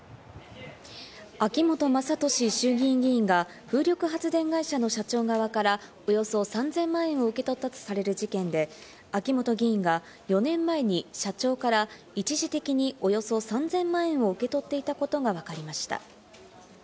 秋本真利衆議院議員が風力発電会社の社長側から、およそ３０００万円を受け取ったとされる事件で、秋本議員が４年前に社長から一時的におよそ３０００万円を受け取っていたことがわかりました。